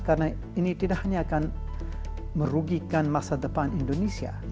karena ini tidak hanya akan merugikan masa depan indonesia